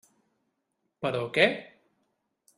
Però què?